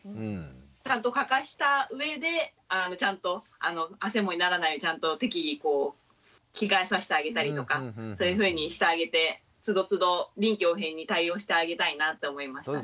ちゃんとかかした上でちゃんとあせもにならないようにちゃんと適宜着替えさしてあげたりとかそういうふうにしてあげてつどつど臨機応変に対応してあげたいなって思いましたね。